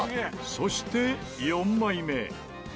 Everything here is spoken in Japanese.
そして４枚目。